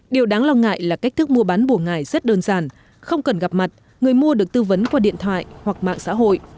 điều đáng lo ngại là cách thức mua bán bùa ngải rất đơn giản không cần gặp mặt người mua được tư vấn qua điện thoại hoặc mạng xã hội